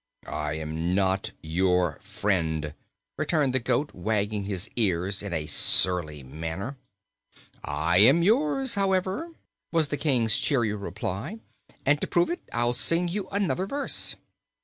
"I am not your friend," returned the goat, wagging his ears in a surly manner. "I am yours, however," was the King's cheery reply; "and to prove it I'll sing you another verse."